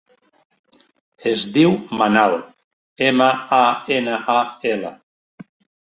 Es diu Manal: ema, a, ena, a, ela.